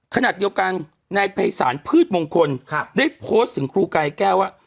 ขณะเดียวกันนายภัยศาลพืชมงคลได้โพสต์ถึงครูกายแก้วว่า